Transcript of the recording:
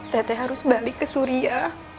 tete harus balik ke suria